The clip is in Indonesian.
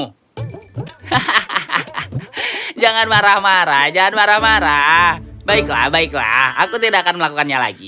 hahaha jangan marah marah jangan marah marah baiklah baiklah aku tidak akan melakukannya lagi